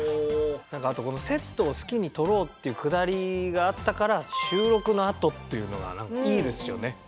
何かあとこのセットを好きに撮ろうっていうくだりがあったから「収録のあと」っていうのが何かいいですよね。